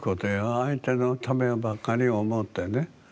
相手のためをばかりを思ってね。